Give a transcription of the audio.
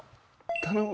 頼む。